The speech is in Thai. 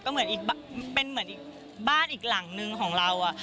ก็เป็นบ้านอีกหลัหนึ่งของเรา